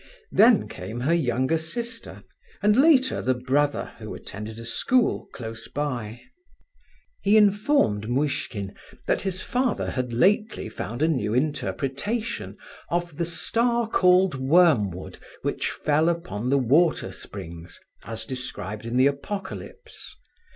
Then came her younger sister, and later the brother, who attended a school close by. He informed Muishkin that his father had lately found a new interpretation of the star called "wormwood," which fell upon the water springs, as described in the Apocalypse.